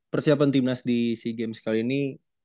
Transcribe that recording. persiapan timnas di sea games kali ini